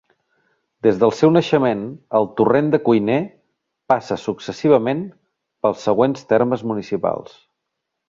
Des del seu naixement, el Torrent de Cuiner passa successivament pels següents termes municipals.